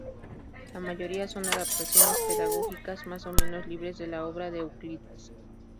La mayoría son adaptaciones pedagógicas, más o menos libres, de la obra de Euclides.